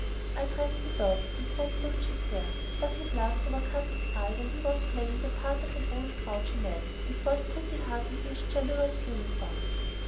I dressed the dogs, and combed Dulcie's hair; stuck a plaster over Capi's eye when he was playing the part of an old grouchy man, and forced Pretty Heart into his General's uniform.